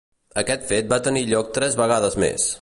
Aquest fet va tenir lloc tres vegades més.